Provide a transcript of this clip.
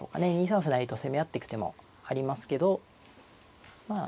２三歩成と攻め合ってく手もありますけどまあ